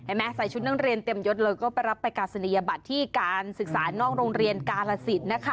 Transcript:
ใส่ชุดนักเรียนเต็มยดเลยก็ไปรับประกาศนียบัตรที่การศึกษานอกโรงเรียนกาลสินนะคะ